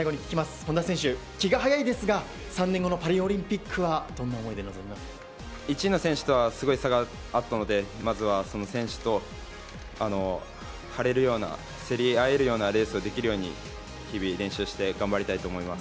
本多選手、気が早いですが３年後のパリオリンピックは１位の選手とはすごい差があったのでまずはその選手と張り合えるような競り合えるようなレースができるように日々練習して頑張りたいと思います。